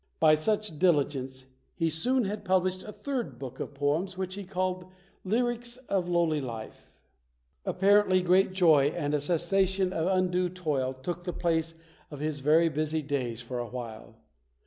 By such diligence, he soon had published a third book of poems which he called "Lyrics of Lowly Life". Apparently great joy and a cessation of undue toil took the place of his very busy days for a while.